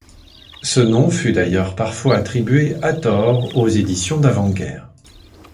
Ce nom fut d'ailleurs parfois attribué, à tort, aux éditions d'avant-guerre.